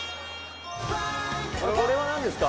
これはなんですか？